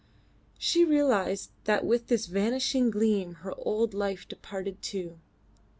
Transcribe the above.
She realised that with this vanishing gleam her old life departed too.